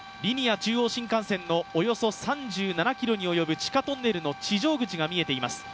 中央新幹線のおよそ３７ｋｍに及ぶ地下トンネルの地上口が見えています。